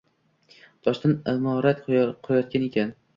Toshdan imorat qurayotgan ekan